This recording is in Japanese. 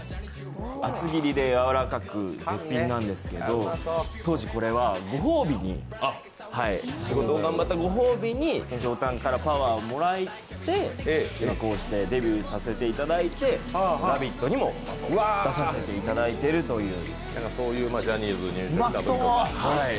厚切りでやわらかく絶品なんですけど当時、これはご褒美に仕事を頑張ったご褒美に上タンからパワーをもらって、こうしてデビューをさせていただいて「ラヴィット！」にも出させていただいているという。